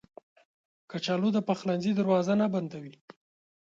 کچالو د پخلنځي دروازه نه بندوي